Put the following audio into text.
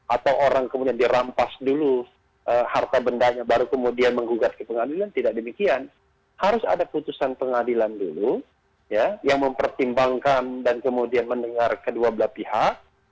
atau orang kemudian dirampas dulu harta bendanya baru kemudian menggugat ke pengadilan tidak demikian harus ada putusan pengadilan dulu yang mempertimbangkan dan kemudian mendengar kedua belah pihak